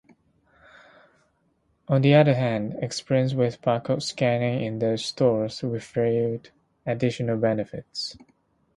On the other hand, experience with barcode scanning in those stores revealed additional benefits.